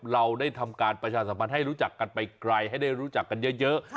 เราได้ทำการประชาสัมพันธ์ให้รู้จักกันไปไกลให้ได้รู้จักกันเยอะ